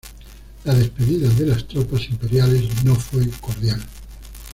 La despedida de las tropas imperiales no fue "cordial".